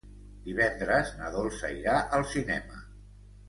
Divendres na Dolça irà al cinema.